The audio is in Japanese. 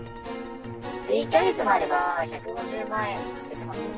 １か月もあれば、１５０万円稼げますよ。